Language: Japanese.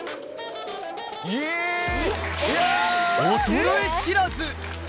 衰え知らず！